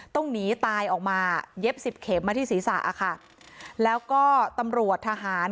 ต้องหนีตายออกมาเย็บสิบเข็มมาที่ศีรษะค่ะแล้วก็ตำรวจทหาร